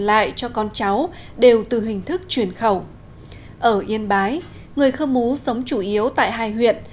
lại cho con cháu đều từ hình thức truyền khẩu ở yên bái người khơ mú sống chủ yếu tại hai huyện